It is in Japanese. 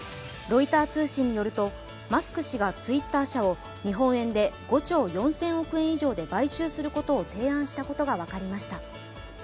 ロイター通信によると、マスク氏がツイッター社を日本円で５兆４０００億円以上で買収することを提案したことが分かりました。